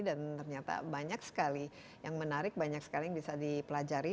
dan ternyata banyak sekali yang menarik banyak sekali yang bisa dipelajari